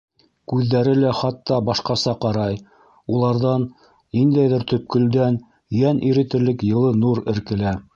Күҙҙәре лә хатта башҡаса ҡарай, уларҙан, ниндәйҙер төпкөлдән йән иретерлек йылы нур эркелә.